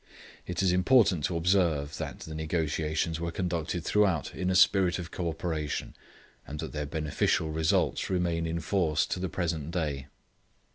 It is important to observe that the negotiations were conducted throughout in a spirit of conciliation, and that their beneficial results remain in force to the present day.